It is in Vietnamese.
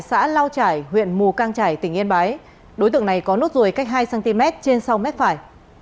xã lao trải huyện mù cang trải tỉnh yên bái đối tượng này có nốt ruồi cách hai cm trên sau mép phải